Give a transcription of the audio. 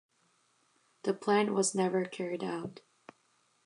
The plan was never carried out.